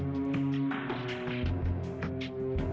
terima kasih mas